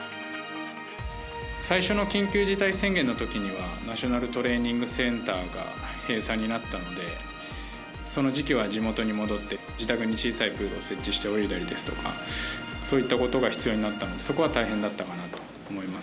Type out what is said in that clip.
最初の緊急事態宣言のときにはナショナルトレーニングセンターが閉鎖になったのでその時期は地元に戻って自宅に小さいプールを設置して泳いだりですとかそういうことが必要になったので底は大変だったかなと思います。